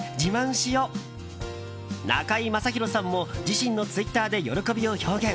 中居正広さんも自身のツイッターで喜びを表現。